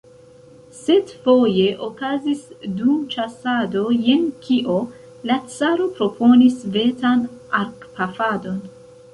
Sed foje okazis dum ĉasado jen kio: la caro proponis vetan arkpafadon.